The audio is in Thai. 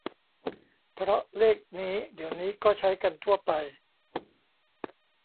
เพราะเลขนี้เดี๋ยวนี้ก็ใช้กันทั่วไป